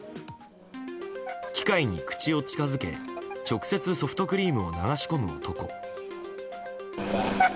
機械に口を近づけ直接ソフトクリームを流し込む男。